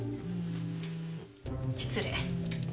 失礼。